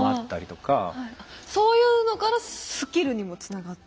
そういうのからスキルにもつながって？